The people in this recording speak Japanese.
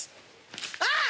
あっ！